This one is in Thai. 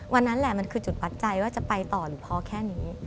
วันนั้นแหละมันคือจุดวัดใจว่าจะไปต่อหรือพอแค่นี้